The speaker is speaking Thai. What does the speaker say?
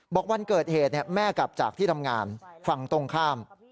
วันเกิดเหตุแม่กลับจากที่ทำงานฝั่งตรงข้าม